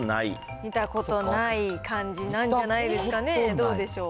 見たことない感じなんじゃないですかね、どうでしょう。